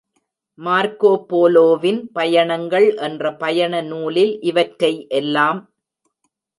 Marco போலோவின் பயணங்கள் என்ற பயண நூலில் இவற்றை எல்லாம்.